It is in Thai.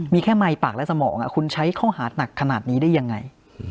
มีแค่ไมค์ปากและสมองคุณใช้ข้อหาหนักขนาดนี้ได้ยังไง